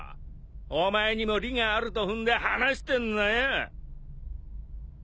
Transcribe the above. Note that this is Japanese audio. お前にも利があると踏んで話してんのよ。